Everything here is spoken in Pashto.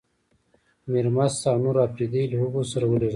میرمست او نور اپرېدي له هغوی سره ولېږل شول.